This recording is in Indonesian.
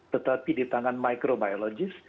tetapi di tangan microbiologis